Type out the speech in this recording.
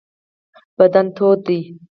بدن تود دی.